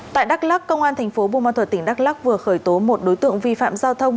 tại đắk lắc công an thành phố bùa ma thuật tỉnh đắk lắc vừa khởi tố một đối tượng vi phạm giao thông